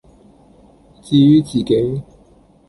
至于自己，